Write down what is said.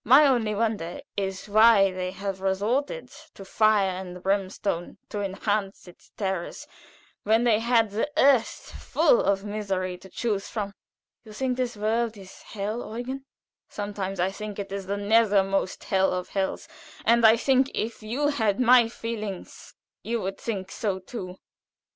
My only wonder is why they should have resorted to fire and brimstone to enhance its terrors when they had the earth full of misery to choose from." "You think this world a hell, Eugen?" "Sometimes I think it the very nethermost hell of hells, and I think if you had my feelings you would think so too.